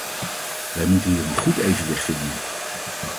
Wij moeten hier een goed evenwicht vinden.